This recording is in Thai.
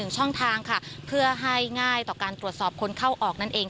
ช่องทางค่ะเพื่อให้ง่ายต่อการตรวจสอบคนเข้าออกนั่นเอง